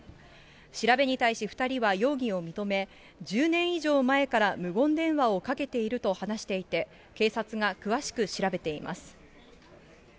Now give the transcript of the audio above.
調べに対し２人は容疑を認め、１０年以上前から無言電話をかけていると話していて、警察が詳しく調べています。